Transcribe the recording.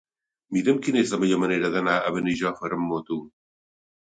Mira'm quina és la millor manera d'anar a Benijòfar amb moto.